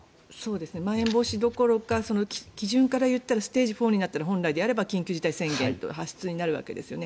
まん延防止どころか基準から言ったらステージ４になったら本来であれば緊急事態宣言が発出になるわけですよね。